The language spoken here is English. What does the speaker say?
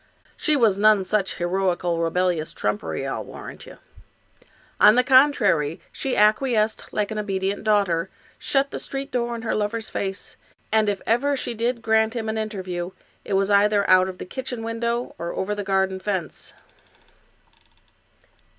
She was none such heroical, rebellious trumpery, I'll warrant ye. On the con trary, she acquiesced like an obedient daughter, shut the street door in her lover's face, and if ever she did grant him an interview, it was either out of the kitchen window or over the garden fence.